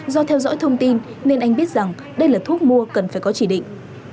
do theo dõi thông tin nên anh biết rằng đây là thuốc mua cần phải có chỉ định